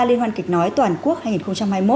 liên hoan kịch nói toàn quốc hai nghìn hai mươi một